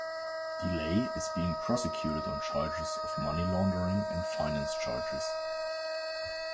DeLay is being prosecuted on charges of money laundering and finance charges.